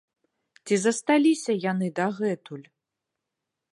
Ці засталіся яны дагэтуль?